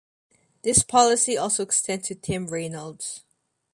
This policy also extends to Tim Reynolds.